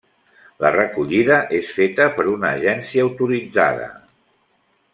La recollida és feta per una agència autoritzada.